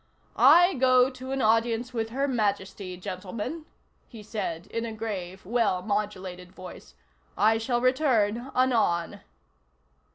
"I go to an audience with Her Majesty, gentlemen," he said in a grave, well modulated voice. "I shall return anon."